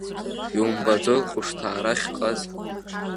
Иумбаӡои лхәышҭаара ахьыҟаз.